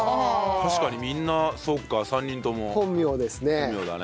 確かにみんなそうか３人とも。本名ですね。